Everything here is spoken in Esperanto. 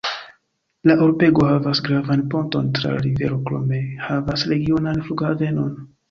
La urbego havas gravan ponton tra la rivero krome havas regionan flughavenon.